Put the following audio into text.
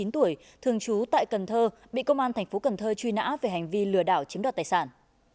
ba mươi chín tuổi thường trú tại cần thơ bị công an tp cần thơ truy nã về hành vi lừa đảo chiếm đoạt tài sản